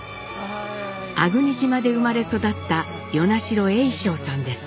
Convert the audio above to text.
粟国島で生まれ育った与那城栄章さんです。